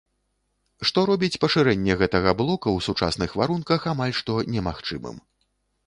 Што робіць пашырэнне гэтага блока ў сучасных варунках амаль што немагчымым.